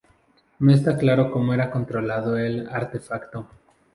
No está claro cómo era controlado el artefacto.